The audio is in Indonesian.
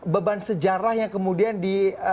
beban sejarah yang kemudian di